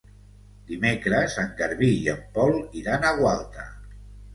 Dimecres en Garbí i en Pol iran a Gualta.